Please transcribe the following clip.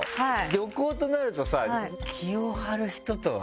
旅行となるとさ。